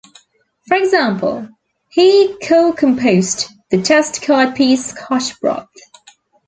For example, he co-composed the test card piece "Scotch Broth".